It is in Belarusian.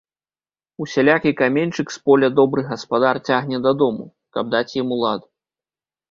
Усялякі каменьчык з поля добры гаспадар цягне дадому, каб даць яму лад.